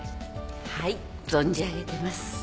はい存じ上げてます。